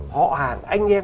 họ hàng anh em